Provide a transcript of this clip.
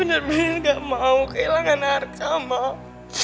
kinta benar benar nggak mau kehilangan arka mbak